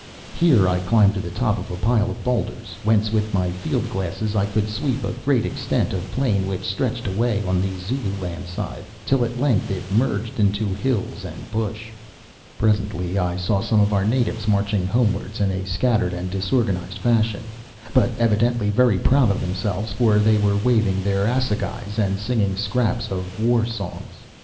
Here I climbed to the top of a pile of boulders, whence with my field glasses I could sweep a great extent of plain which stretched away on the Zululand side till at length it merged into hills and bush. "Presently I saw some of our natives marching homewards in a scattered and disorganised fashion, but evidently very proud of themselves, for they were waving their assegais and singing scraps of war songs.